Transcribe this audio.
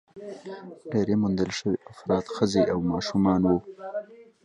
ډېری موندل شوي افراد ښځې او ماشومان وو.